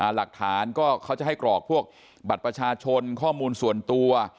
หลักฐานก็เขาจะให้กรอกพวกบัตรประชาชนข้อมูลส่วนตัว